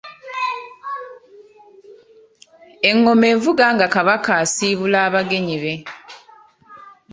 Engoma evuga nga Kabaka asiibula abagenyi be.